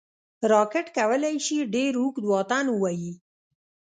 راکټ کولی شي ډېر اوږد واټن ووايي